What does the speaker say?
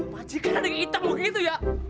majikan ada yang hitam tuh itu ya